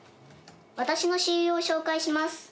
私の親友を紹介します。